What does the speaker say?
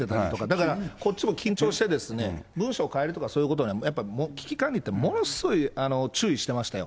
だからこっちも緊張して、文章を変えるとかそういうことには、やっぱ危機管理というのは、ものすごい注意してましたよ。